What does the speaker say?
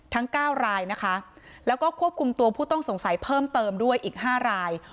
ทั้ง๙รายนะคะแล้วก็ควบคุมตัวผู้ต้องสงสัยเพิ่มเติมด้วยอีก๕ราย